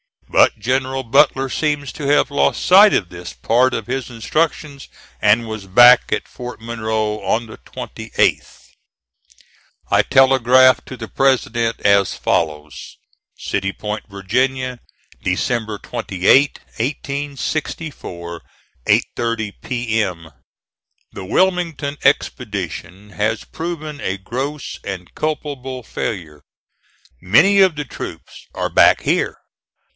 But General Butler seems to have lost sight of this part of his instructions, and was back at Fort Monroe on the 28th. I telegraphed to the President as follows: CITY POINT, VA., Dec. 28, 1864. 8.30 P.M. The Wilmington expedition has proven a gross and culpable failure. Many of the troops are back here.